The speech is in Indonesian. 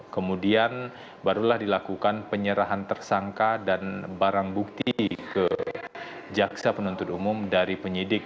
kemudian barulah dilakukan penyerahan tersangka dan barang bukti ke jaksa penuntut umum dari penyidik